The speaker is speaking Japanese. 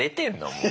もう。